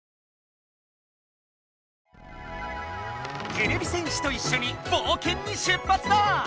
てれび戦士といっしょにぼうけんにしゅっぱつだ！